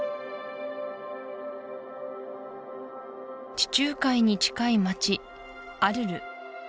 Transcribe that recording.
地中海に近い街アルル